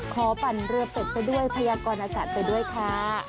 ปั่นเรือเป็ดไปด้วยพยากรอากาศไปด้วยค่ะ